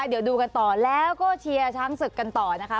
เดี๋ยวดูกันต่อแล้วก็เชียร์ช้างศึกกันต่อนะคะ